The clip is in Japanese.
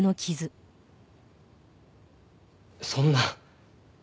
そんな。